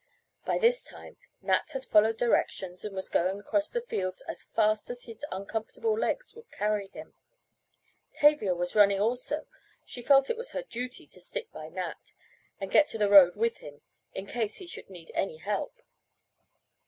By this time Nat had followed directions and was going across the fields as fast as his uncomfortable legs would carry him. Tavia was running also; she felt it was her duty to stick by Nat, and get to the road with him, in case he should need any help.